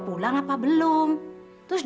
nah angkat bos